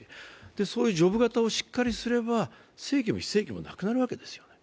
そういうジョブ型をしっかりすれば、正規も非正規も変わらないわけですよ。